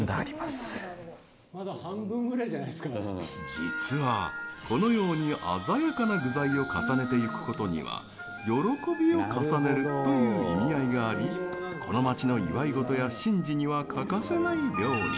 実はこのように鮮やかな具材を重ねていくことには喜びを重ねるという意味合いがありこの町の祝い事や神事には欠かせない料理。